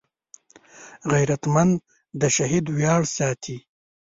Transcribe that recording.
غیرتمند د شهید ویاړ ساتي